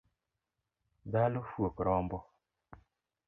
Dhalo fuok rombo